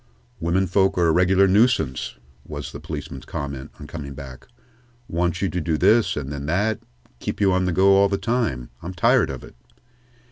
"Women folks are a regular nuisance," was the policeman's comment, on coming back. "Want you to do this and then that keep you on the go all the time. I'm tired of it."